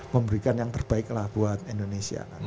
memberikan yang terbaik lah buat indonesia